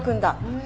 うん。